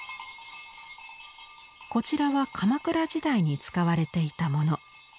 こちらは鎌倉時代に使われていたもの。